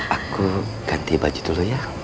aku ganti baju dulu ya